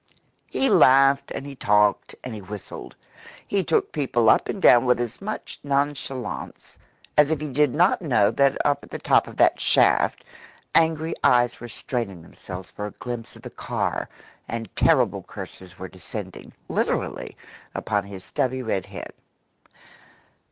He laughed and he talked and he whistled. He took people up and down with as much nonchalance as if he did not know that up at the top of that shaft angry eyes were straining themselves for a glimpse of the car, and terrible curses were descending, literally, upon his stubby red head.